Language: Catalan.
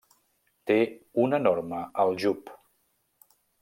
Té un enorme aljub.